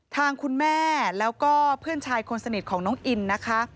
ทางคุณแม่แล้วก็เพื่อนชายคนสนิทของน้องอินนะคะ